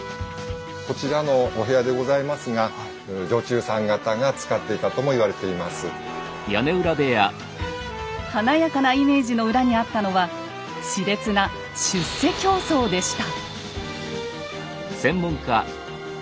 こちらのお部屋でございますが華やかなイメージの裏にあったのは熾烈な出世競争でした。